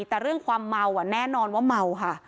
แต่เรื่องความเมาแน่นอนว่าเมาค่ะ